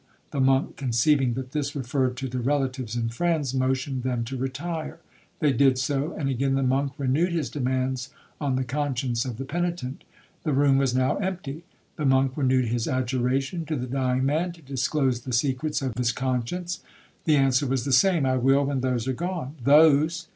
The monk, conceiving that this referred to the relatives and friends, motioned them to retire. They did so, and again the monk renewed his demands on the conscience of the penitent. The room was now empty. The monk renewed his adjuration to the dying man to disclose the secrets of his conscience. The answer was the same,—'I will, when those are gone.'—'Those!'